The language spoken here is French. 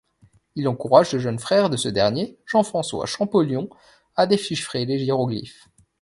Il encourage le jeune frère de ce dernier, Jean-François Champollion à déchiffrer les hiéroglyphes.